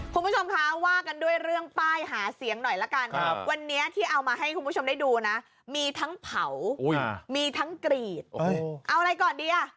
คุณผู้ชมคะว่ากันด้วยเรื่องป้ายหาเสียงหน่อยละกันวันนี้ที่เอามาให้คุณผู้ชมได้ดูนะมีทั้งเผามีทั้งกรีดเอาอะไรก่อนดีอ่ะ